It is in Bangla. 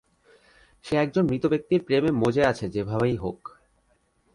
সে একজন মৃত ব্যক্তির প্রেমে মজে আছে যেভাবেই হোক।